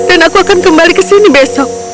dan aku akan kembali ke sini besok